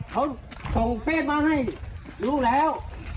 เขาส่งเฟสมาให้รู้แล้ว